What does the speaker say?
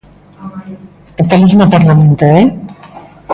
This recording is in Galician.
Estamos no Parlamento ¡eh!